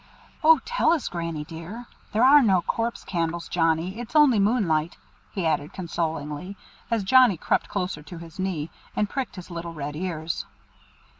"Oh! tell us, Granny dear. There are no Corpse candles, Johnnie; it's only moonlight," he added consolingly, as Johnnie crept closer to his knee, and pricked his little red ears.